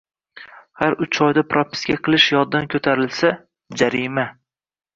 Har uch oyda propiska qilish yoddan ko‘tarilsa – jarima.